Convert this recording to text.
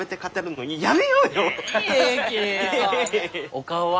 お顔は？